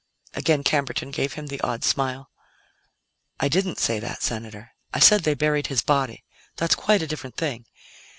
Again Camberton gave him the odd smile. "I didn't say that, Senator; I said they buried his body. That's quite a different thing.